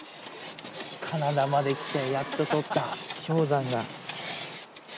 カナダまで来てやっと取った氷山が。